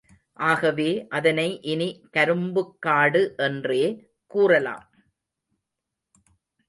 ஆகவே, அதனை இனி கரும்புக்காடு என்றே கூறலாம்.